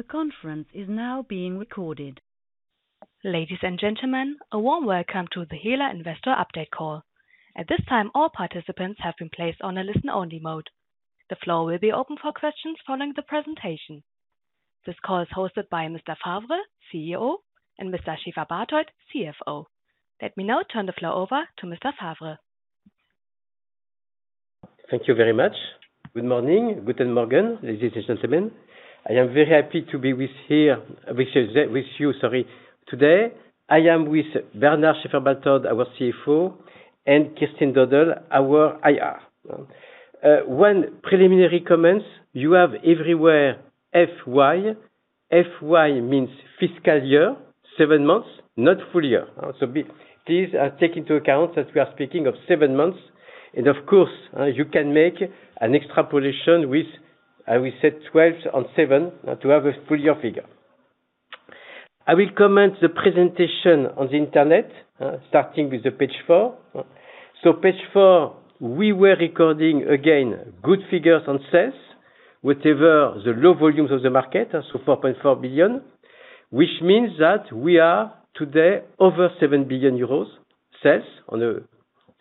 The conference is now being recorded. Ladies and gentlemen, a warm welcome to the HELLA Investor Update Call. At this time, all participants have been placed on a listen-only mode. The floor will be open for questions following the presentation. This call is hosted by Mr. Favre, CEO, and Mr. Schäferbarthold, CFO. Let me now turn the floor over to Mr. Favre. Thank you very much. Good morning. Guten morgen, ladies and gentlemen. I am very happy to be with you, sorry, today. I am with Bernard Schäferbarthold, our CFO, and Kerstin Dodel, our IR. One preliminary comment, you have everywhere FY. FY means fiscal year, seven months, not full year. Please take into account that we are speaking of seven months. Of course, you can make an extrapolation with, I will say 12 on seven to have a full year figure. I will comment the presentation on the Internet, starting with the page four. Page four, we were recording again good figures on sales, whatever the low volumes of the market, 4.4 billion, which means that we are today over 7 billion euros sales on a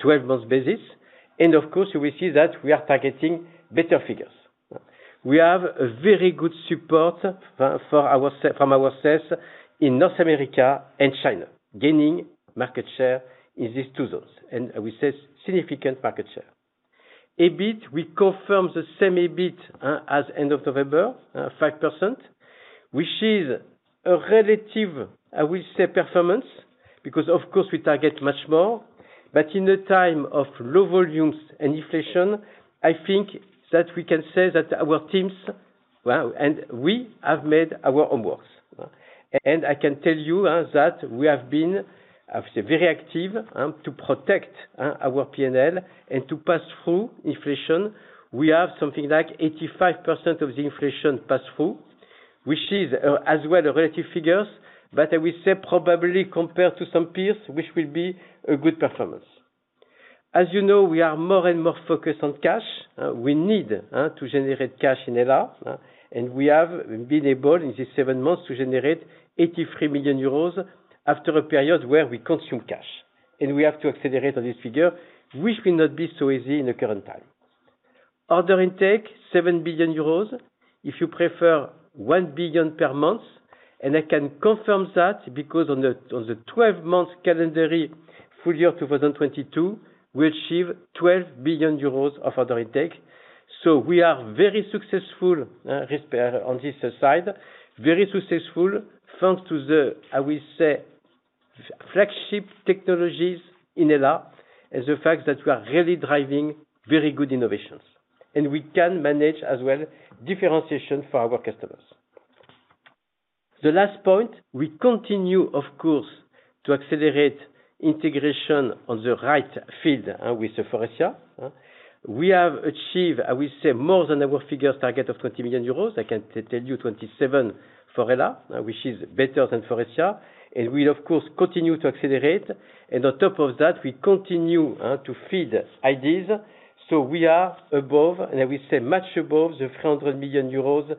12-months basis. Of course, we see that we are targeting better figures. We have a very good support for our, from our sales in North America and China, gaining market share in these two zones, and we say significant market share. EBIT, we confirm the same EBIT as end of November, 5%, which is a relative, I will say, performance, because of course we target much more. In the time of low volumes and inflation, I think that we can say that our teams, well, and we have made our homework. I can tell you that we have been, I would say, very active to protect our P&L and to pass through inflation. We have something like 85% of the inflation pass-through, which is as well a relative figures, but I will say probably compared to some peers, which will be a good performance. As you know, we are more and more focused on cash. We need to generate cash in HELLA, and we have been able in these seven months to generate 83 million euros after a period where we consume cash. We have to accelerate on this figure, which will not be so easy in the current time. Order intake, 7 billion euros. If you prefer, 1 billion per month. I can confirm that because on the 12-month calendar year full year 2022, we achieve 12 billions euros of order intake. We are very successful on this side. Very successful, thanks to the, I will say, flagship technologies in HELLA, and the fact that we are really driving very good innovations, and we can manage differentiation as well for our customers. The last point, we continue, of course, to accelerate integration on the right field with the Faurecia. We have achieved, I will say, more than our figures target of 20 million euros. I can tell you 27 for HELLA, which is better than Faurecia. We'll of course, continue to accelerate. On top of that, we continue to feed ideas. We are above, and I will say much above, the 100 million euros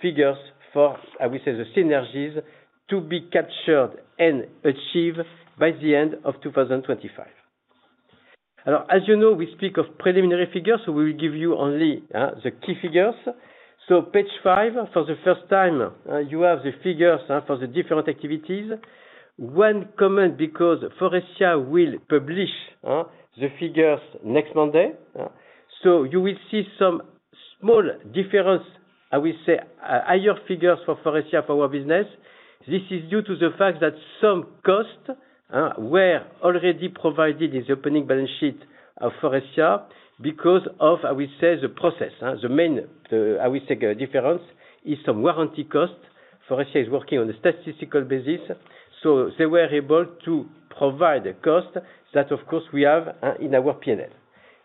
figures for, I will say, the synergies to be captured and achieved by the end of 2025. As you know, we speak of preliminary figures, so we will give you only the key figures. Page five, for the first time, you have the figures for the different activities. One comment, because Faurecia will publish the figures next Monday. You will see some small difference, I will say, higher figures for Faurecia for our business. This is due to the fact that some costs were already provided in the opening balance sheet of Faurecia because of, I will say, the process. The main, I will say difference is some warranty cost. Faurecia is working on a statistical basis, so they were able to provide a cost that, of course, we have in our P&L.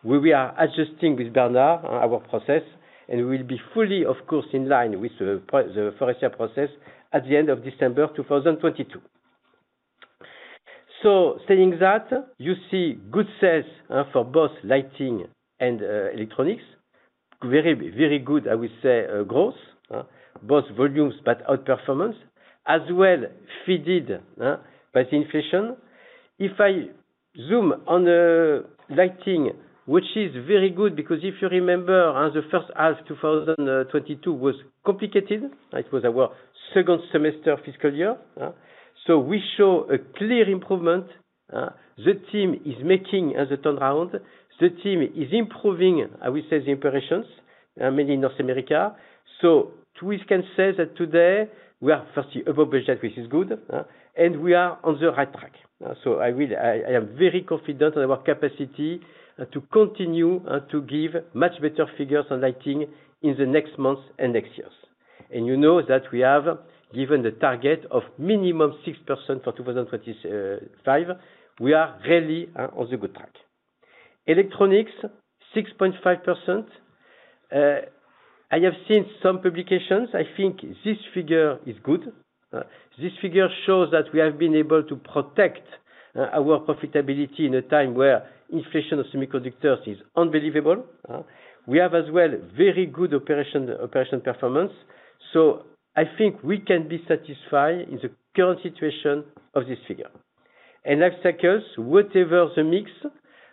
We are adjusting with Bernard our process, and we will be fully, of course, in line with the Faurecia process at the end of December 2022. Saying that, you see good sales for both lighting and electronics. Very, very good, I would say, growth, both volumes but outperformance, as well feeded by the inflation. If I zoom on the lighting, which is very good, because if you remember how the first half 2022 was complicated. It was our second semester fiscal year, so we show a clear improvement. The team is making as a turnaround, the team is improving, I would say, the operations, mainly in North America. We can say that today we are firstly above budget, which is good, and we are on the right track. I am very confident on our capacity to continue to give much better figures on lighting in the next months and next years. You know that we have given the target of minimum 6% for 2025. We are really on the good track. Electronics, 6.5%. I have seen some publications. I think this figure is good. This figure shows that we have been able to protectOur profitability in a time where inflation of semiconductors is unbelievable. We have as well very good operation performance. I think we can be satisfied in the current situation of this figure. Life cycles, whatever the mix,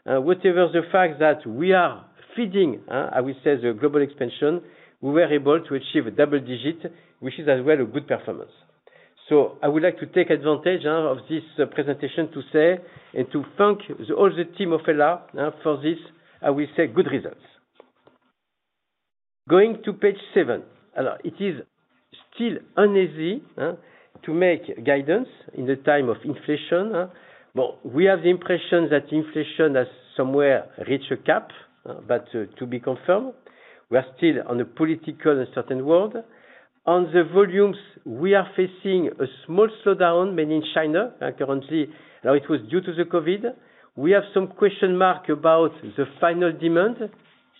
whatever the fact that we are feeding, I will say the global expansion, we were able to achieve a double digit, which is as well a good performance. I would like to take advantage of this presentation to say and to thank all the team of HELLA for this, I will say, good results. Going to page seven. It is still uneasy to make guidance in the time of inflation. We have the impression that inflation has somewhere reached a cap, but to be confirmed. We are still on a political uncertain world. On the volumes, we are facing a small slowdown, mainly in China. Currently, it was due to the COVID. We have some question mark about the final demand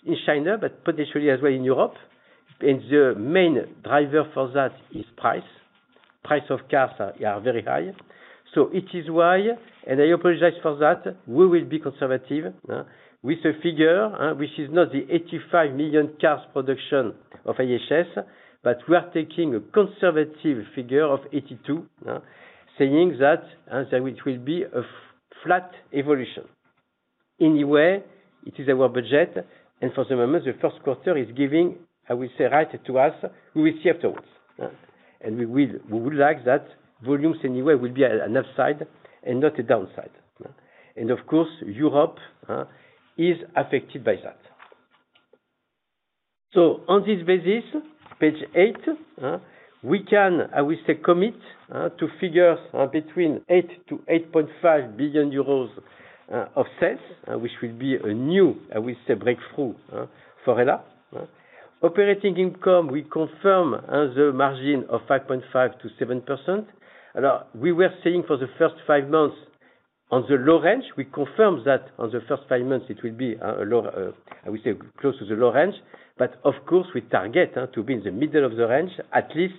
in China, but potentially as well in Europe. The main driver for that is price. Price of cars are very high. It is why, and I apologize for that, we will be conservative with the figure, which is not the 85 million cars production of IHS, but we are taking a conservative figure of 82, saying that it will be a flat evolution. Anyway, it is our budget, and for the moment, the first quarter is giving, I will say, right to us, we will see afterwards. We would like that volumes anyway will be an upside and not a downside. Of course, Europe is affected by that. On this basis, page eight, we can, I will say, commit to figures between 8 billion-8.5 billion euros of sales, which will be a new, I will say, breakthrough for HELLA. Operating income, we confirm as a margin of 5.5%-7%. We were saying for the first five months on the low range, we confirm that on the first five months it will be a low, I would say, close to the low range. Of course, we target to be in the middle of the range at least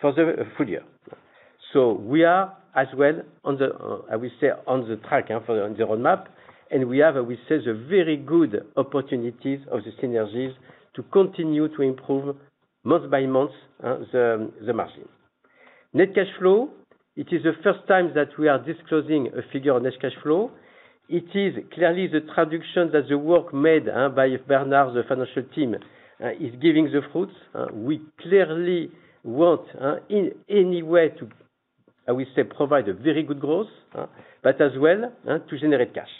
for the full year. We are as well on the, I will say, on the track for the roadmap, and we have the very good opportunities of the synergies to continue to improve month by month, the margin. Net cash flow. It is the first time that we are disclosing a figure on net cash flow. It is clearly the tradition that the work made by Bernard, the financial team, is giving the fruits. We clearly want in any way to, I will say, provide a very good growth, but as well to generate cash.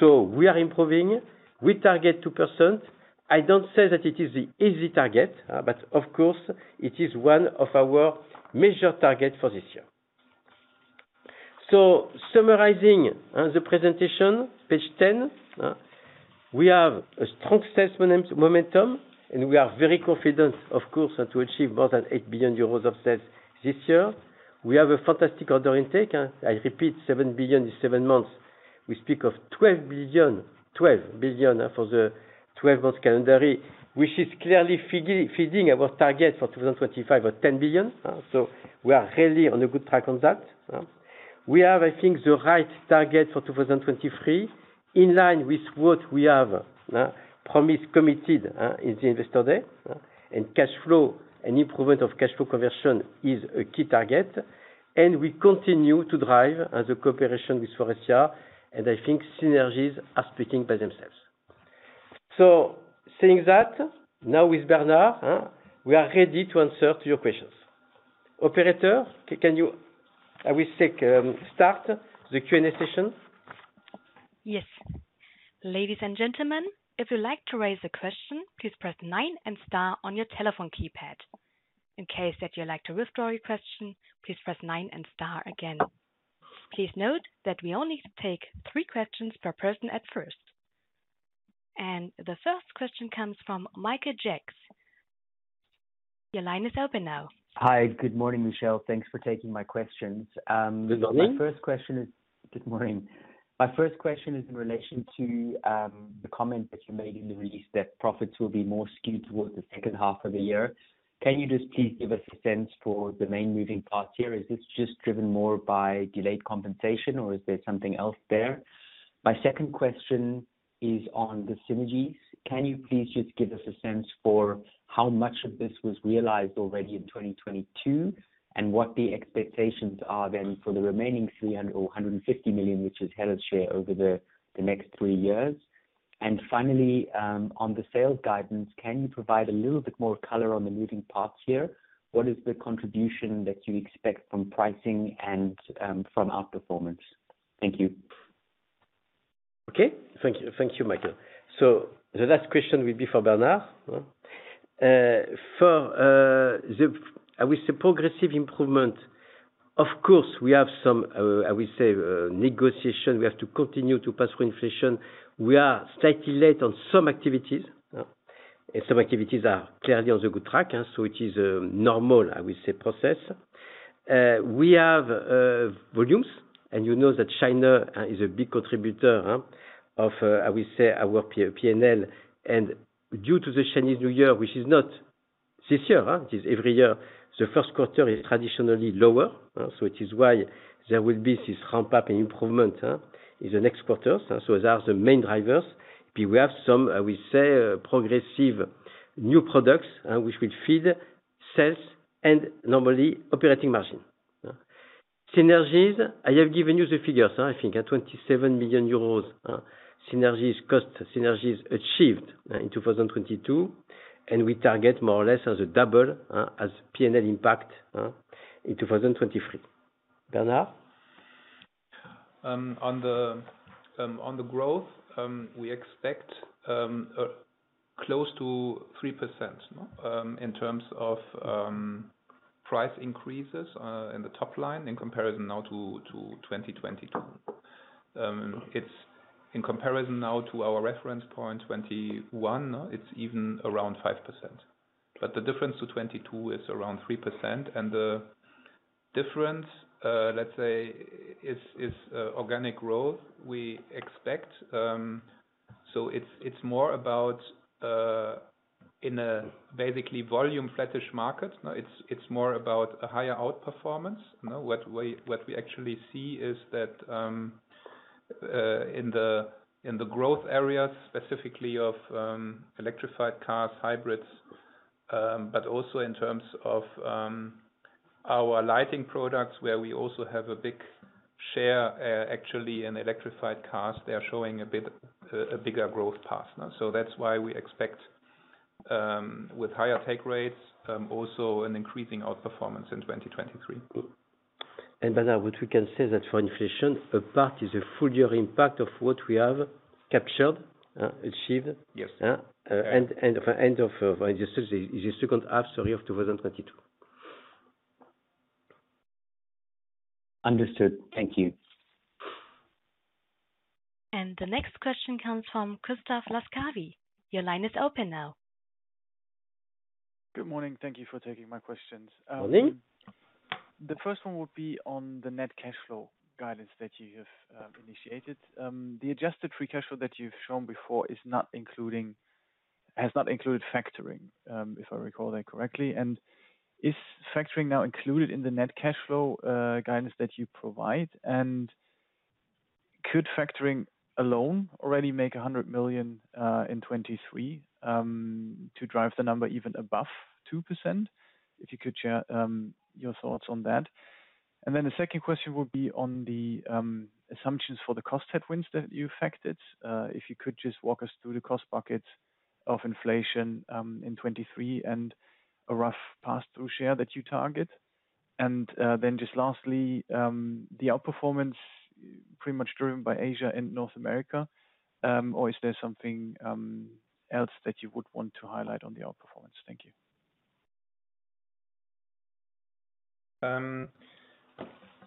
We are improving. We target 2%. I don't say that it is the easy target, but of course, it is one of our major targets for this year. Summarizing the presentation, page 10. We have a strong sales momentum, and we are very confident, of course, to achieve more than 8 billion euros of sales this year. We have a fantastic order intake. I repeat, 7 billion in seven months. We speak of 12 billion, 12 billion for the 12-month calendar year, which is clearly feeding our target for 2025 of 10 billion. We are really on a good track on that. We have, I think, the right target for 2023 in line with what we have promised, committed in the Investor Day. Cash flow, an improvement of cash flow conversion is a key target. We continue to drive the cooperation with Faurecia, and I think synergies are speaking by themselves. Saying that, now with Bernard, we are ready to answer to your questions. Operator, can you, I will say, start the Q&A session? Yes. Ladies and gentlemen, if you'd like to raise a question, please press nine and star on your telephone keypad. In case that you'd like to withdraw your question, please press nine and star again. Please note that we only take three questions per person at first. The first question comes from Michael Jacks. Your line is open now. Hi. Good morning, Michel. Thanks for taking my questions. Good morning. My first question is. Good morning. My first question is in relation to the comment that you made in the release that profits will be more skewed towards the second half of the year. Can you just please give us a sense for the main moving parts here? Is this just driven more by delayed compensation or is there something else there? My second question is on the synergies. Can you please just give us a sense for how much of this was realized already in 2022 and what the expectations are then for the remaining 300 million or 150 million, which is HELLA's share over the next three years? Finally, on the sales guidance, can you provide a little bit more color on the moving parts here? What is the contribution that you expect from pricing and from outperformance? Thank you. Okay. Thank you. Thank you, Michael. The last question will be for Bernard Schäferbarthold. For the progressive improvement, of course, we have some, I will say, negotiation. We have to continue to pass through inflation. We are slightly late on some activities, and some activities are clearly on the good track. It is a normal, I will say, process. We have volumes, and you know that China is a big contributor of, I will say, our P&L. Due to the Chinese New Year, which is every year, the first quarter is traditionally lower, it is why there will be this ramp up and improvement in the next quarters. Those are the main drivers. We have some, we say, progressive new products, which will feed sales and normally operating margin. Synergies, I have given you the figures, I think, 27 million euros, synergies cost, synergies achieved in 2022, and we target more or less as a double as P&L impact in 2023. Bernard? On the on the growth, we expect close to 3% in terms of price increases in the top line in comparison now to 2022. It's in comparison now to our reference point 2021, it's even around 5%. The difference to 2022 is around 3%. The difference, let's say, is organic growth we expect. It's more about in a basically volume flattish market. It's more about a higher outperformance. You know, what we actually see is that in the growth areas, specifically of electrified cars, hybrids, but also in terms of our lighting products, where we also have a big share actually in electrified cars. They are showing a bit a bigger growth path now. That's why we expect, with higher take rates, also an increasing outperformance in 2023. Bernard, what we can say that for inflation, a part is a full year impact of what we have captured, achieved. Yes. Yeah. of, Understood. Thank you. The next question comes from Christoph Laskawi. Your line is open now. Good morning. Thank you for taking my questions. Morning. The first one would be on the net cash flow guidance that you have initiated. The adjusted free cash flow that you've shown before has not included factoring, if I recall that correctly. Is factoring now included in the net cash flow guidance that you provide? Could factoring alone already make $100 million in 2023 to drive the number even above 2%? If you could share your thoughts on that. The second question would be on the assumptions for the cost headwinds that you factored. If you could just walk us through the cost buckets of inflation in 2023 and a rough pass-through share that you target. Then just lastly, the outperformance pretty much driven by Asia and North America. Is there something else that you would want to highlight on the outperformance? Thank you.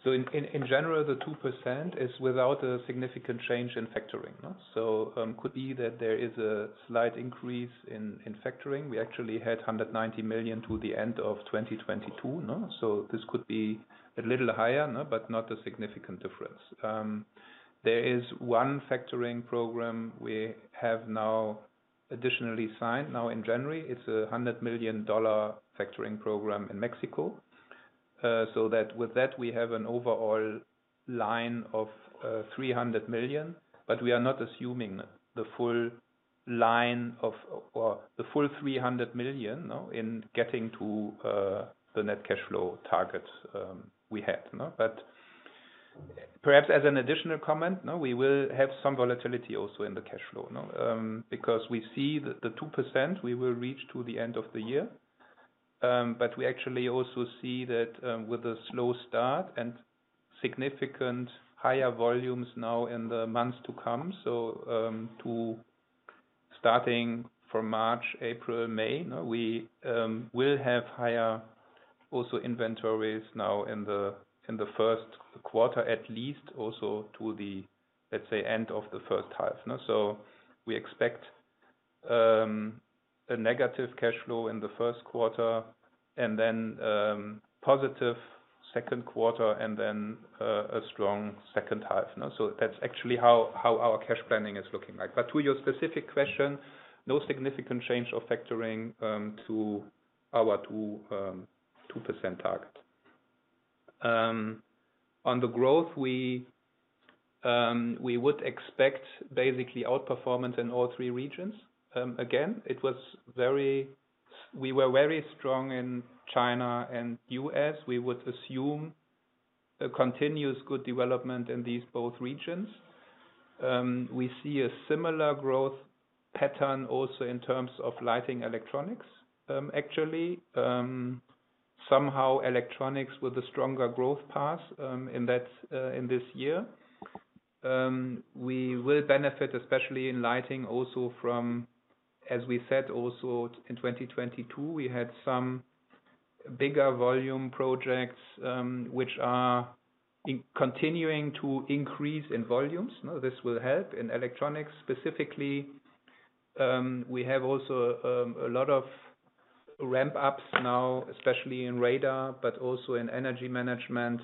In general, the 2% is without a significant change in factoring. Could be that there is a slight increase in factoring. We actually had $190 million to the end of 2022. This could be a little higher, but not a significant difference. There is one factoring program we have now additionally signed now in January. It's a $100 million factoring program in Mexico. With that, we have an overall line of $300 million, but we are not assuming the full line of or the full $300 million, you know, in getting to the net cash flow target we had. Perhaps as an additional comment, we will have some volatility also in the cash flow, because we see the 2% we will reach to the end of the year. We actually also see that, with a slow start and significant higher volumes now in the months to come. To starting from March, April, May, we will have higher also inventories now in the first quarter at least also to the, let's say, end of the first half. We expect a negative cash flow in the first quarter and then, positive second quarter and then, a strong second half. That's actually how our cash planning is looking like. To your specific question, no significant change of factoring, to our 2% target. On the growth, we would expect basically outperformance in all three regions. Again, it was very strong in China and U.S. We would assume a continuous good development in these both regions. We see a similar growth pattern also in terms of lighting electronics. Actually, somehow electronics with a stronger growth path in that in this year. We will benefit, especially in lighting also from, as we said also in 2022, we had some bigger volume projects, which are in continuing to increase in volumes. This will help in electronics specifically. We have also a lot of ramp ups now, especially in radar, but also in Energy Management.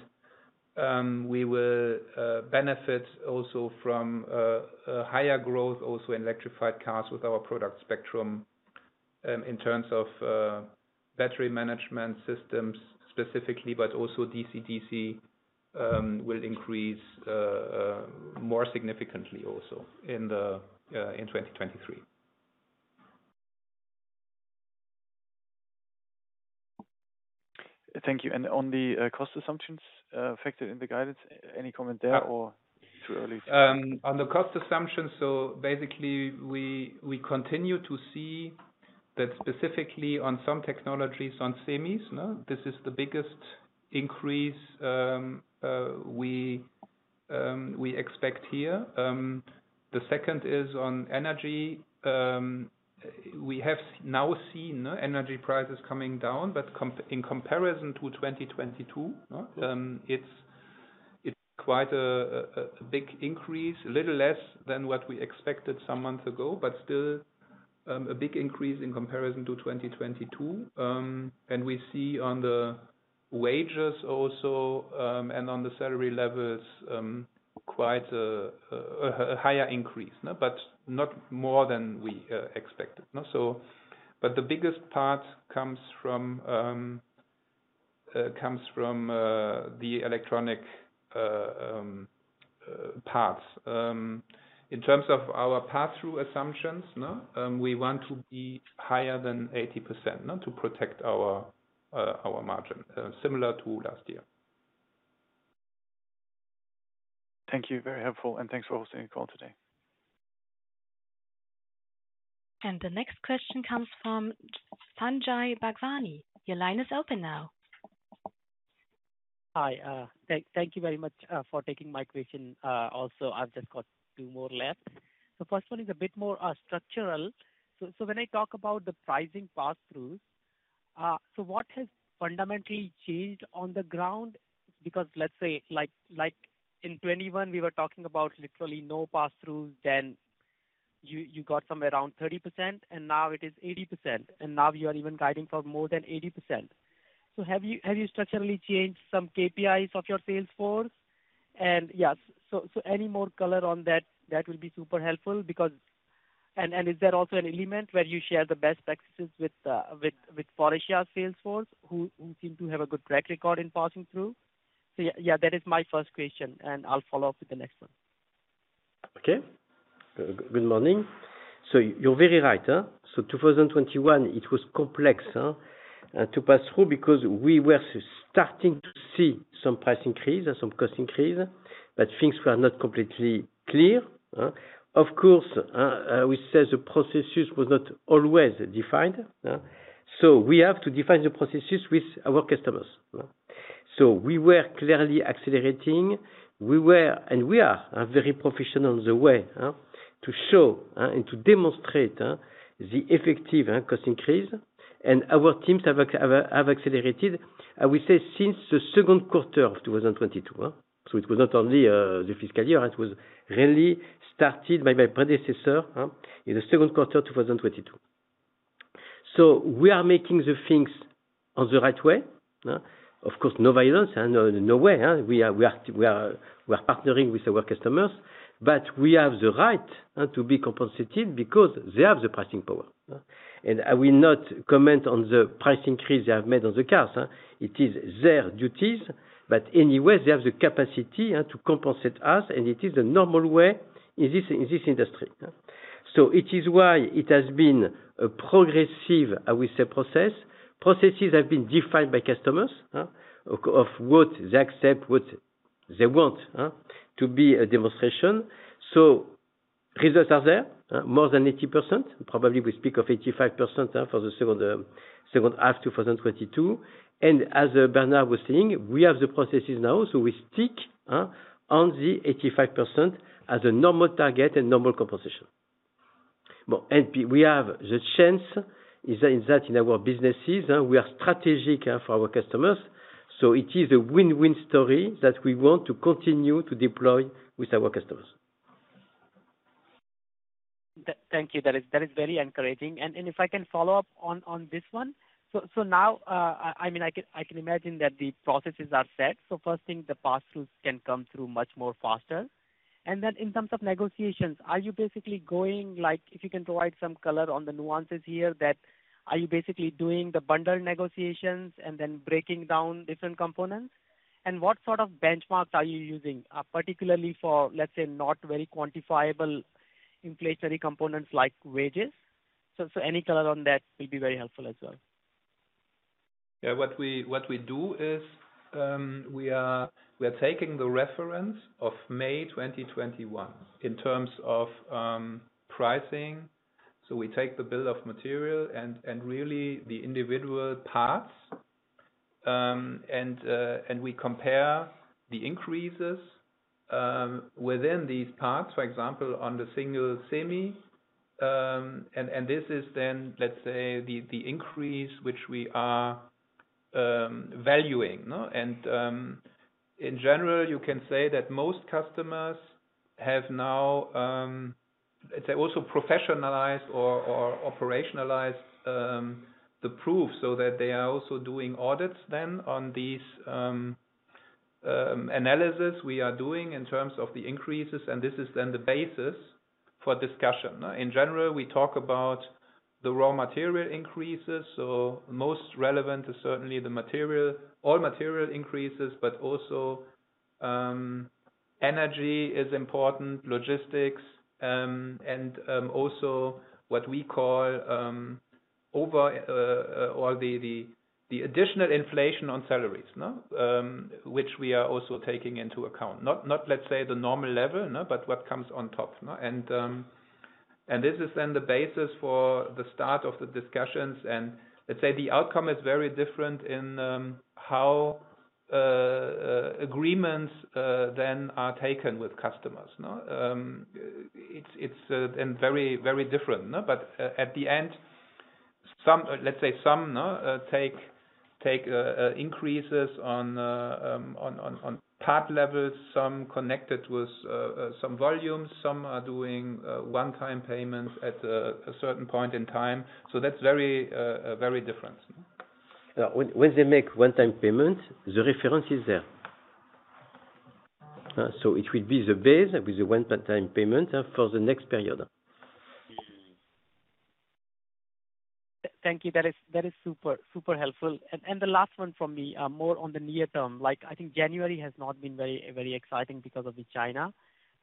We will benefit also from a higher growth also in electrified cars with our product spectrum, in terms of battery management systems specifically, but also DC-DC, will increase more significantly also in the in 2023. Thank you. On the cost assumptions factored in the guidance, any comment there or too early? On the cost assumptions, basically we continue to see that specifically on some technologies on semis, no? This is the biggest increase we expect here. The second is on energy. We have now seen energy prices coming down, but in comparison to 2022, no, it's quite a big increase. A little less than what we expected some months ago, but still, a big increase in comparison to 2022. And we see on the wages also, and on the salary levels, quite a higher increase, no? But not more than we expected, no. But the biggest part comes from, comes from the electronic parts. In terms of our pass-through assumptions, no, we want to be higher than 80%, no, to protect our margin, similar to last year. Thank you. Very helpful, and thanks for hosting the call today. The next question comes from Sanjay Bhagwani. Your line is open now. Hi. Thank you very much for taking my question. Also, I've just got two more left. The first one is a bit more structural. When I talk about the pricing pass-throughs, so what has fundamentally changed on the ground? Because let's say like in 2021, we were talking about literally no pass-throughs, then you got some around 30%, and now it is 80%, and now you are even guiding for more than 80%. Have you structurally changed some KPIs of your sales force? Yes, any more color on that will be super helpful because. Is there also an element where you share the best practices with Faurecia sales force who seem to have a good track record in passing through? Yeah, that is my first question, and I'll follow up with the next one. Okay. Good morning. You're very right, so 2021, it was complex to pass through because we were starting to see some price increase and some cost increase, but things were not completely clear. Of course, we say the processes was not always defined, so we have to define the processes with our customers. We were clearly accelerating. We were, and we are, very professional the way to show and to demonstrate the effective cost increase. Our teams have accelerated, I will say, since the second quarter of 2022. It was not only the fiscal year, it was really started by my predecessor in the second quarter of 2022. We are making the things on the right way. Of course, no violence and no way. We are partnering with our customers, but we have the right to be compensated because they have the pricing power. I will not comment on the price increase they have made on the cars. It is their duties, but anyway, they have the capacity to compensate us, and it is the normal way in this industry. It is why it has been a progressive, I will say, process. Processes have been defined by customers, of what they accept, what they want to be a demonstration. Results are there, more than 80%. Probably we speak of 85% for the second half 2022. As Bernard was saying, we have the processes now, so we stick on the 85% as a normal target and normal compensation. We have the chance is in that in our businesses, we are strategic for our customers, so it is a win-win story that we want to continue to deploy with our customers. Thank you. That is very encouraging. If I can follow up on this one. Now, I mean, I can imagine that the processes are set, so first thing, the pass-throughs can come through much more faster. In terms of negotiations, are you basically going like if you can provide some color on the nuances here that, are you basically doing the bundle negotiations and then breaking down different components? What sort of benchmarks are you using, particularly for, let's say, not very quantifiable inflationary components like wages? Any color on that will be very helpful as well. What we do is, we are taking the reference of May 2021 in terms of pricing. We take the bill of material and really the individual parts, and we compare the increases within these parts, for example, on the single semi. And this is then, let's say the increase, which we are valuing, no? In general, you can say that most customers have now. They also professionalize or operationalize the proof so that they are also doing audits then on these analysis we are doing in terms of the increases, and this is then the basis for discussion. In general, we talk about the raw material increases, so most relevant is certainly the material. All material increases, but also energy is important, logistics, and also what we call over or the additional inflation on salaries, no. Which we are also taking into account. Not let's say the normal level, no, but what comes on top. This is then the basis for the start of the discussions. Let's say the outcome is very different in how agreements then are taken with customers, no. It's very, very different. At the end, some, let's say some take increases on part levels, some connected with some volumes. Some are doing one-time payments at a certain point in time. That's very, very different. When they make one-time payments, the reference is there. It will be the base with the one-time payment for the next period. Thank you. That is super helpful. The last one from me, more on the near term. Like, I think January has not been very, very exciting because of China.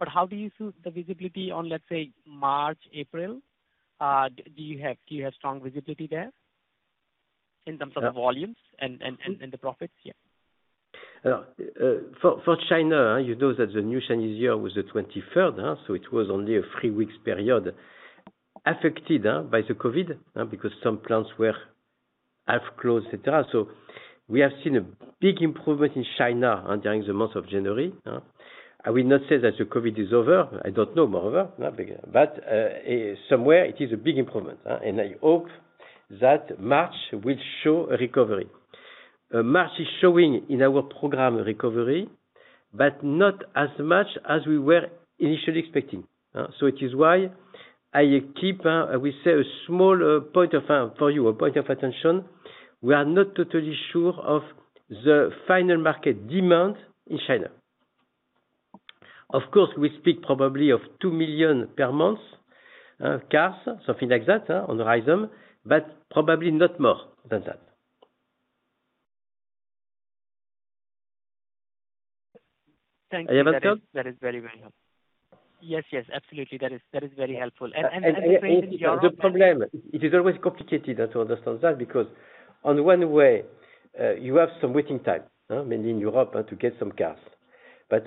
How do you see the visibility on, let's say, March, April? Do you have strong visibility there in terms of volumes and the profits? Yeah. For China, you know that the Chinese New Year was the 23rd, huh? It was only a three week period affected by the COVID because some plants were half closed. We have seen a big improvement in China during the month of January. I will not say that the COVID is over. I don't know, moreover. Somewhere it is a big improvement, and I hope that March will show a recovery. March is showing in our program recovery, but not as much as we were initially expecting. It is why I keep, we say, a small point of, for you, a point of attention. We are not totally sure of the final market demand in China. Of course, we speak probably of two million cars per month, something like that on the horizon, but probably not more than that. Thank you. Are you with us? That is very, very helpful. Yes, yes. Absolutely. That is very helpful. The problem, it is always complicated to understand that because on one way, you have some waiting time, mainly in Europe, to get some cars.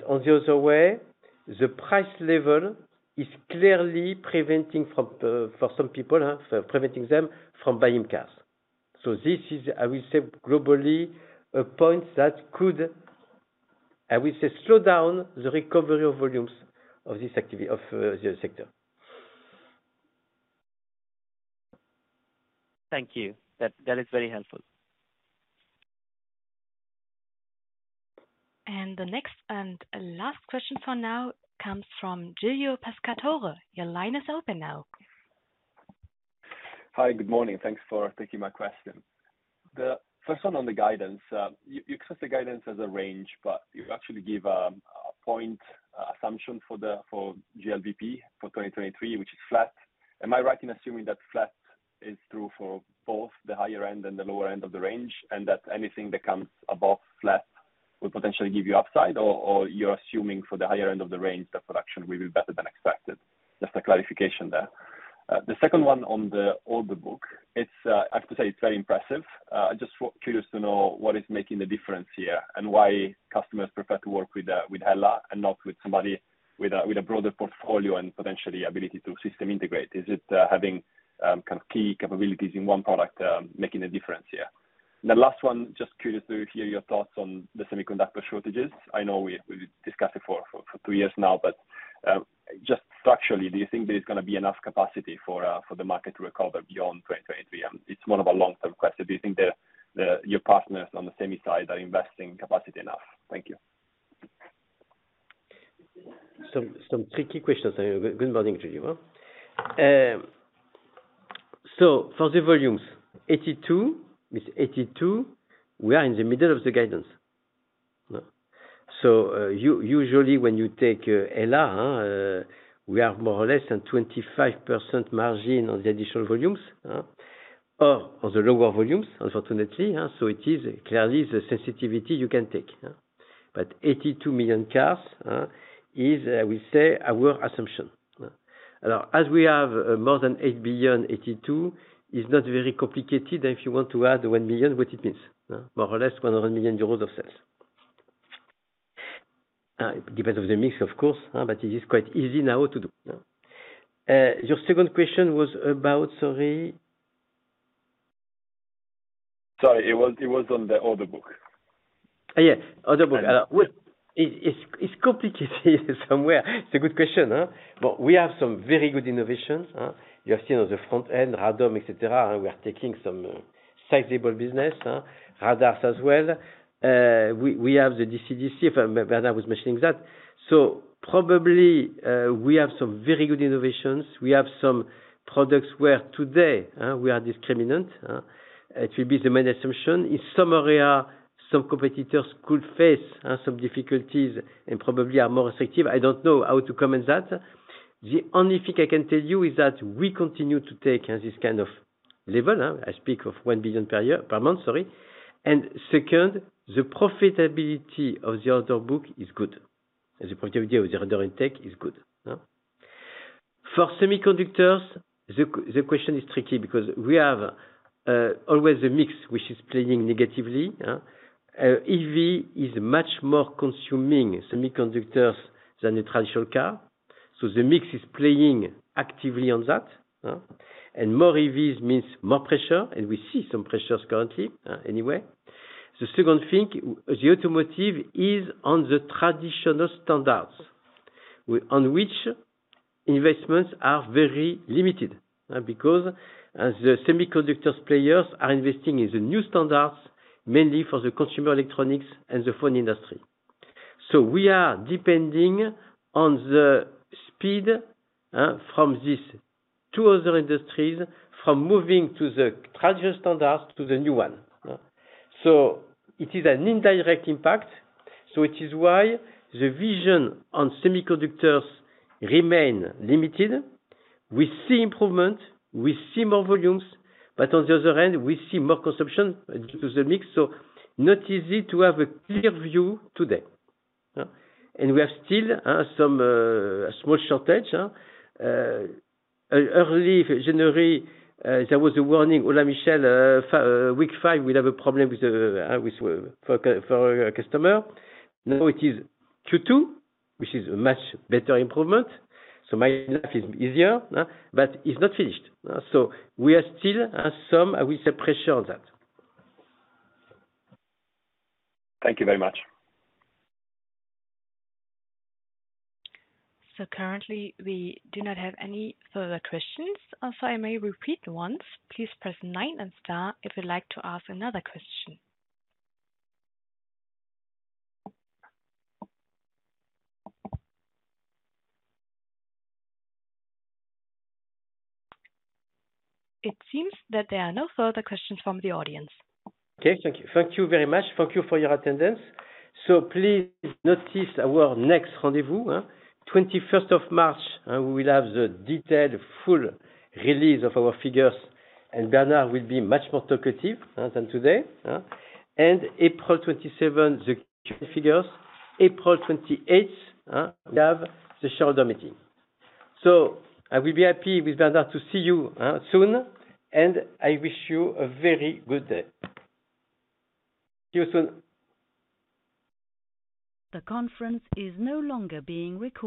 On the other way, the price level is clearly preventing from, for some people, preventing them from buying cars. This is, I will say, globally a point that could, I will say, slow down the recovery of volumes of this activity, of the sector. Thank you. That is very helpful. The next and last question for now comes from Giulio Pescatore. Your line is open now. Hi. Good morning. Thanks for taking my question. The first one on the guidance. You access the guidance as a range, but you actually give a point assumption for the GLBP for 2023, which is flat. Am I right in assuming that flat is true for both the higher end and the lower end of the range, and that anything that comes above flat will potentially give you upside? You're assuming for the higher end of the range that production will be better than expected? Just a clarification there. The second one on the order book, it's, I have to say it's very impressive. Just curious to know what is making the difference here and why customers prefer to work with HELLA and not with somebody with a broader portfolio and potentially ability to system integrate. Is it having kind of key capabilities in one product making a difference here? The last one, just curious to hear your thoughts on the semiconductor shortages. I know we discussed it for two years now, but just structurally, do you think there's going to be enough capacity for the market to recover beyond 2023? It's one of our long-term questions. Do you think your partners on the semi side are investing capacity enough? Thank you. Some tricky questions. Good morning to you. For the volumes, 82. With 82, we are in the middle of the guidance. Usually when you take HELLA, we are more or less than 25% margin on the additional volumes, or on the lower volumes, unfortunately. It is clearly the sensitivity you can take. 82 million cars, is, we say, our assumption. As we have more than 8 billion, 82 is not very complicated if you want to add 1 billion, what it means. More or less 100 million euros of sales. It depends on the mix, of course, but it is quite easy now to do. Your second question was about? Sorry. Sorry, it was on the order book. Yeah, order book. It's, it's complicated somewhere. It's a good question, huh? We have some very good innovations. You have seen on the front end, radome, et cetera. We are taking some sizable business, radars as well. We have the DCDC, Bernard was mentioning that. Probably, we have some very good innovations. We have products where today, we are discriminant, it will be the main assumption. In some area, some competitors could face some difficulties and probably are more effective. I don't know how to comment that. The only thing I can tell you is that we continue to take this kind of level. I speak of 1 billion per month, sorry. Second, the profitability of the order book is good. The profitability of the order intake is good. For semiconductors, the question is tricky because we have always a mix which is playing negatively. EV is much more consuming semiconductors than a traditional car, the mix is playing actively on that. More EVs means more pressure, and we see some pressures currently anyway. The second thing, the automotive is on the traditional standards on which investments are very limited because as the semiconductors players are investing in the new standards, mainly for the consumer electronics and the phone industry. We are depending on the speed from these two other industries from moving to the traditional standards to the new one. It is an indirect impact, it is why the vision on semiconductors remain limited. We see improvement, we see more volumes, on the other hand, we see more consumption due to the mix. Not easy to have a clear view today. We are still some small shortages. Early January, there was a warning, "HELLA, Michel, week five, we'll have a problem with for customer." It is Q2, which is a much better improvement, my life is easier, but it's not finished. We are still some, I will say, pressure on that. Thank you very much. Currently, we do not have any further questions. Also, I may repeat the ones. Please press nine and Star if you'd like to ask another question. It seems that there are no further questions from the audience. Okay, thank you. Thank you very much. Thank you for your attendance. Please notice our next rendezvous, March 21st, and we will have the detailed, full release of our figures, and Bernard will be much more talkative than today. April 27th, the current figures. April 28th, we have the shareholder meeting. I will be happy with Bernard to see you soon. I wish you a very good day. See you soon. The conference is no longer being recorded.